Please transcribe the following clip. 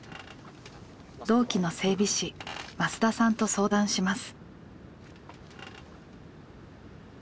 同期の整備士増田さんと相談します。